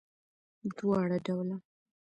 دواړه ډوله